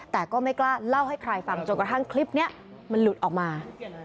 แต่ก็ไม่กล้าเล่าให้ใครฟังจนกระทั่งคลิปนี้มันหลุดออกมา